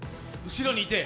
後ろにいて？